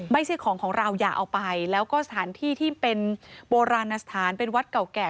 ไม่ใช่ของของเราอย่าเอาไปแล้วก็สถานที่ที่เป็นโบราณสถานเป็นวัดเก่าแก่